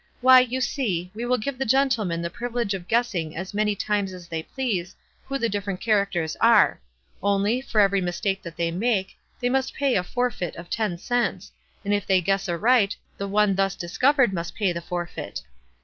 Why, you see, we will give the gentlemen the privi lege of guessing as many times as they please who the different characters are — only, for every mistake that they make, they must pay a forfeit of ten cents, and if they guess aright the one thus discovered must pay the forfeit."